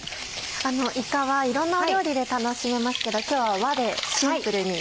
いかはいろんな料理で楽しめますけど今日は和でシンプルに。